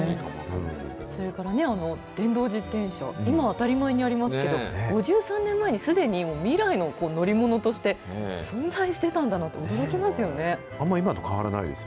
それからね、電動自転車、今は当たり前にありますけど、５３年前にすでに、未来の乗り物として存在してたんだなと驚きますよ